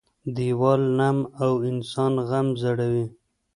- دیوال نم او انسان غم زړوي.